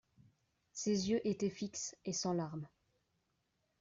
Ses yeux étaient fixes et sans larmes.